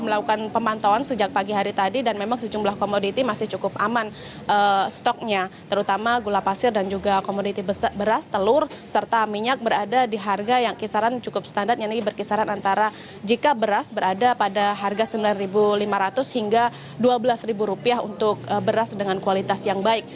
melakukan pemantauan sejak pagi hari tadi dan memang sejumlah komoditi masih cukup aman stoknya terutama gula pasir dan juga komoditi beras telur serta minyak berada di harga yang kisaran cukup standar yang ini berkisaran antara jika beras berada pada harga sembilan lima ratus hingga dua belas rupiah untuk beras dengan kualitas yang baik